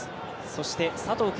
そして、佐藤恵